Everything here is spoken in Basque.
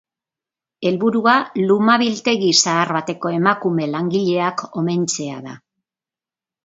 Helburua luma biltegi zahar bateko emakume langileak omentzea da.